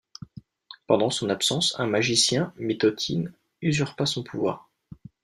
Pendant son absence, un magicien, Mithothyn, usurpa son pouvoir.